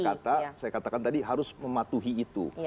kata saya katakan tadi harus mematuhi itu